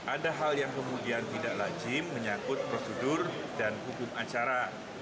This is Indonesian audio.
ada hal yang kemudian tidak lazim menyangkut prosedur dan hukum acara